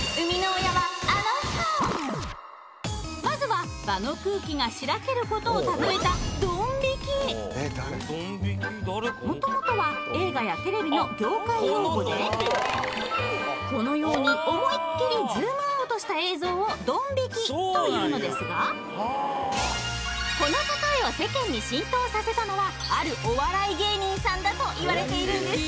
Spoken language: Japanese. まずは場の空気がしらけることをたとえた元々はこのように思いっきりズームアウトした映像を「ドン引き」というのですがこのたとえを世間に浸透させたのはあるお笑い芸人さんだと言われているんです！